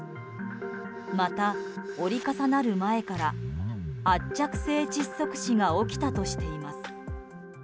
また、折り重なる前から圧着性窒息死が起きたとしています。